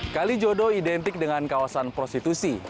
kali jodo identik dengan kawasan prostitusi